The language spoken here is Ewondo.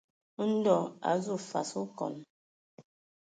Ndɔ a azu fas okɔn.